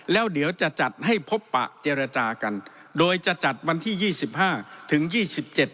แล้วเดี๋ยวจะจัดให้พบปะเจรจากันโดยจะจัดวันที่ยี่สิบห้าถึงยี่สิบเจ็ด